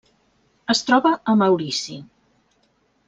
Es troba a Maurici.